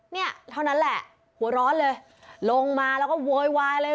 เนี่ยเท่านั้นแหละหัวร้อนเลยลงมาแล้วก็โวยวายเลย